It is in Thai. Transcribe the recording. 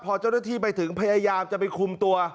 พอเจ้าหน้าที่ไปถึงพยายามจะไปคุมตัว